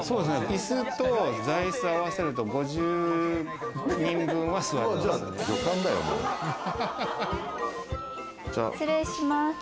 椅子と座椅子、合わせると５０人分は座れますね。